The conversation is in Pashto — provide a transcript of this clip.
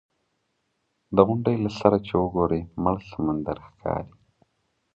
د غونډۍ له سره چې وګورې مړ سمندر ښکاري.